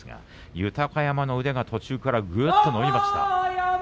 豊山の腕が途中からぐっと伸びました。